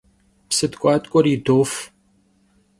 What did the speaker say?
Psı tk'uatk'uer yidof.